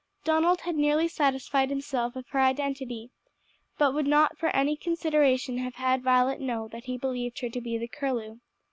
Donald had nearly satisfied himself of her identity, but would not for any consideration have had Violet know that he believed her to be the Curlew.